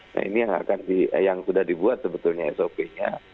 nah ini yang sudah dibuat sebetulnya sop nya